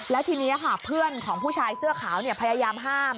แล้วทีนี้ค่ะเพื่อนของผู้ชายเสื้อขาวพยายามห้าม